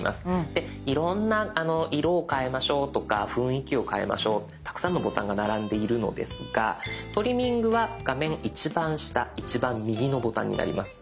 でいろんな色を変えましょうとか雰囲気を変えましょうたくさんのボタンが並んでいるのですがトリミングは画面一番下一番右のボタンになります。